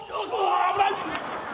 危ない！